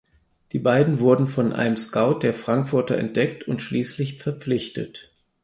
Die beiden wurden von einem Scout der Frankfurter entdeckt und schließlich verpflichtet.